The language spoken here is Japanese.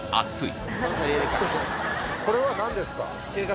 これは何ですか？